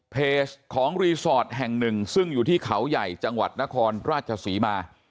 เพจของรีสอร์ทแห่งหนึ่งซึ่งอยู่ที่เขาใหญ่จังหวัดนครราชศรีมา